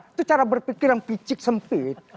itu cara berpikir yang picik sempit